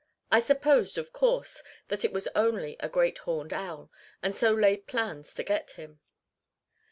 I supposed, of course, that it was only a great horned owl, and so laid plans to get him.